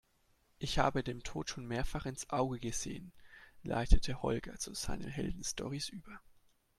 "Ich habe dem Tod schon mehrfach ins Auge gesehen", leitete Holger zu seinen Heldenstorys über.